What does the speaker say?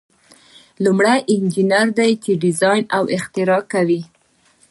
لومړی انجینر دی چې ډیزاین او اختراع کوي.